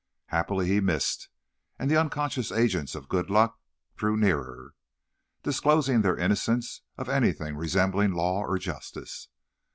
Happily he missed, and the unconscious agents of good luck drew nearer, disclosing their innocence of anything resembling law or justice.